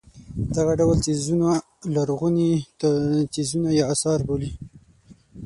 دغه ډول څیزونه لرغوني څیزونه یا اثار بولي.